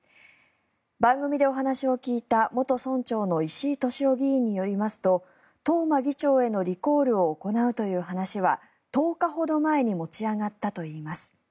番組でお話を聞いた、元村長の石井俊雄議員によりますと東間議長へのリコールを行うという話は１０日ほど前に持ち上がったといいます。